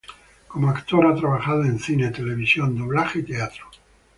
Como actor ha trabajado en cine, televisión, doblaje y teatro.